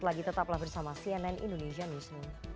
sesaat lagi tetaplah bersama cnn indonesia news